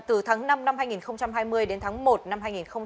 từ tháng năm năm hai nghìn hai mươi đến tháng một năm hai nghìn hai mươi